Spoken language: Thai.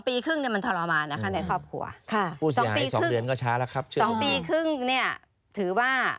๒ปีครึ่งเนี่ยถือว่า